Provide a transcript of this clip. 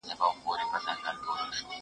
زه هره ورځ سیر کوم؟!